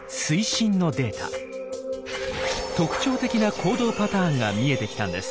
特徴的な行動パターンが見えてきたんです。